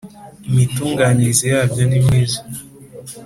Imitunganyirize yabyo nimyiza.